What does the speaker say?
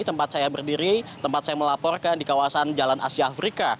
tempat saya berdiri tempat saya melaporkan di kawasan jalan asia afrika